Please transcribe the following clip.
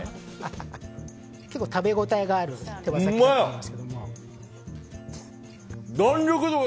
結構、食べ応えがある手羽先ですけども。